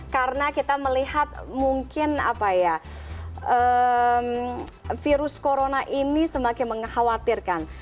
karena kita melihat mungkin virus corona ini semakin mengkhawatirkan